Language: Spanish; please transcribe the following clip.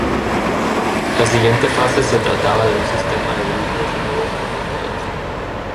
La siguiente fase se trataba de un sistema de grupos todos contra todos.